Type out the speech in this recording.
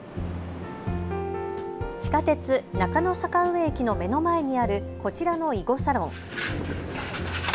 地下鉄中野坂上駅の目の前にあるこちらの囲碁サロン。